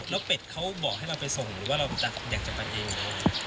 แล้วเป็ดเขาบอกให้เราไปส่งหรือว่าเราอยากจะไปเองหรืออะไร